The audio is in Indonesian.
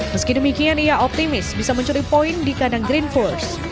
meski demikian ia optimis bisa mencuri poin di kandang green force